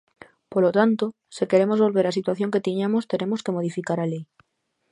Polo tanto, se queremos volver á situación que tiñamos, teremos que modificar a lei.